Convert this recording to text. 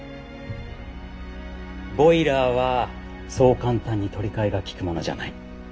ボイラーはそう簡単に取り替えがきくものじゃない。